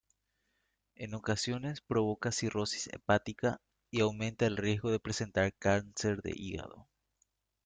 En ocasiones provoca cirrosis hepática y aumenta el riesgo de presentar cáncer de hígado.